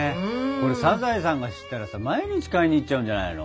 これサザエさんが知ったらさ毎日買いに行っちゃうんじゃないの？